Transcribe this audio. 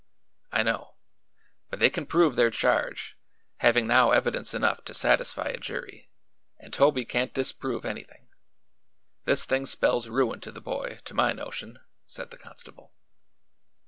"I know. But they can prove their charge, having now evidence enough to satisfy a jury, and Toby can't disprove anything. This thing spells ruin to the boy, to my notion," said the constable.